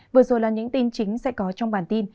vừa rồi là những tin chính sẽ có trong bản tin